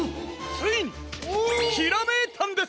ついにひらめいたんです！